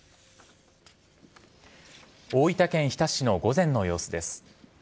大分県日田市の午前の様子です。